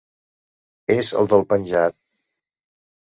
És el del penjat.